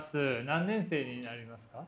何年生になりますか？